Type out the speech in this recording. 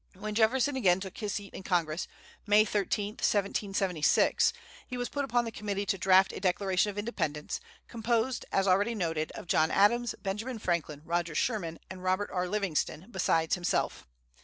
When Jefferson again took his seat in Congress, May 13, 1776, he was put upon the committee to draft a Declaration of Independence, composed, as already noted, of John Adams, Benjamin Franklin, Roger Sherman, and Robert R. Livingston, besides himself.